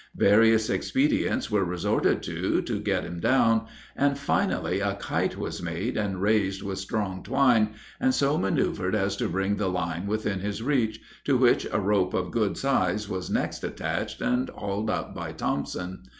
Various expedients were resorted to, to get him down; and finally a kite was made, and raised with strong twine, and so manoeuvered as to bring the line within his reach, to which a rope of good size was next attached, and hauled up by Thompson.